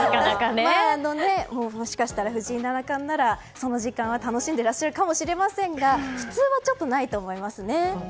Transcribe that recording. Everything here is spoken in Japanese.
もしかしたら藤井七冠ならその時間は楽しんでいらっしゃるかもしれませんが普通は、ちょっとないと思います。